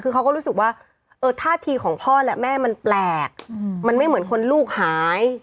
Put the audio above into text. คือเขาก็รู้สึกว่าเออท่าทีของพ่อและแม่มันแปลกมันไม่เหมือนคนลูกหาย